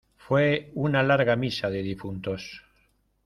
fué una larga misa de difuntos.